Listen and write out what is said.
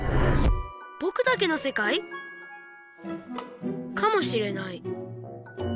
ぼくだけのせかい？かもしれない。